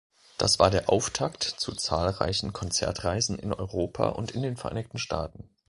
Das war der Auftakt zu zahlreichen Konzertreisen in Europa und in den Vereinigten Staaten.